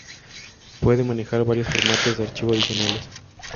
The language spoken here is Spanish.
Puede manejar varios formatos de archivo adicionales.